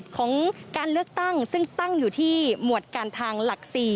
ของการเลือกตั้งซึ่งตั้งอยู่ที่หมวดการทางหลัก๔